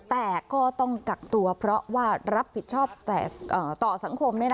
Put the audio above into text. แต่ก็ต้องกักตัวเพราะว่ารับผิดชอบต่อสังคม